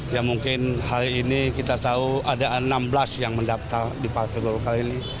ya mungkin hari ini kita tahu ada enam belas yang mendaftar di partai golkar ini